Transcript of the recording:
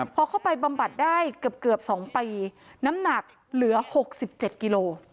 พอเข้าไปบำบัดได้เกือบ๒ปีน้ำหนักเหลือ๖๗กิโล